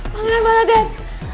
pangeran mana dad